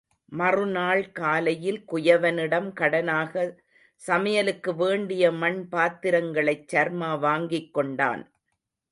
மறுநாள் காலையில் குயவனிடம் கடனாக, சமையலுக்கு வேண்டிய மண்பாத்திரங்களைச் சர்மா வாங்கிக்கொண்டான்.